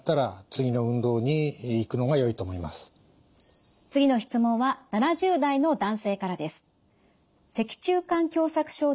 次の質問は７０代の男性からです。